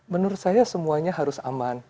menurut saya semuanya harus aman